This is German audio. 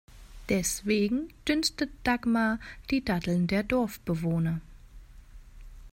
Deswegen dünstet Dagmar die Datteln der Dorfbewohner.